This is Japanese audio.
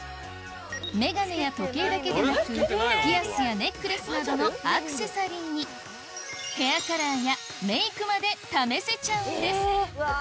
メガネや時計だけでなくピアスやネックレスなどのアクセサリーにヘアカラーやメイクまで試せちゃうんです